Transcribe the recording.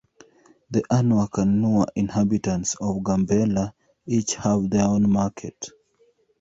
The Anuak and Nuer inhabitants of Gambela each have their own market.